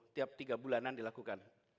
tiap tiga bulanan dilakukan